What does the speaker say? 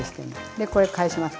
でこれ返します。